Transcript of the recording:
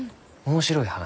面白い話？